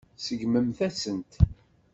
Tseggmemt-asent-t.